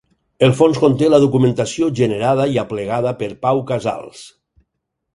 El fons conté la documentació generada i aplegada per Pau Casals.